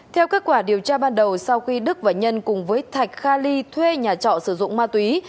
theo kết quả điều tra ban đầu sau khi đức và nhân cùng với thạch kha ly thuê nhà trọ sử dụng ma túy